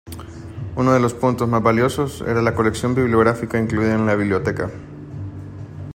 Uno de los puntos más valiosos era la colección bibliográfica incluida en la biblioteca.